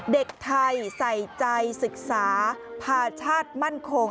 เด็กไทยใส่ใจศึกษาภาชาติมั่นคง